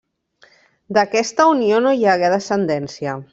D'aquesta unió no hi hagué descendència.